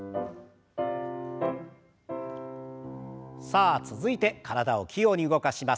さあ続いて体を器用に動かします。